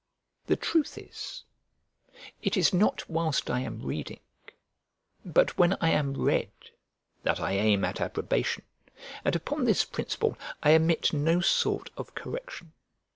The truth is, it is not whilst I am reading, but when I am read, that I aim at approbation; and upon this principle I omit no sort of correction.